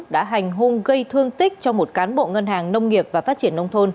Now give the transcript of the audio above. đã hành hung gây thương tích cho một cán bộ ngân hàng nông nghiệp và phát triển nông thôn